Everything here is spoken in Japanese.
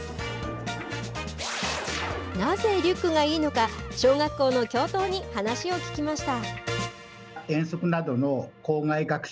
なぜ、リュックがいいのか小学校の教頭に話を聞きました。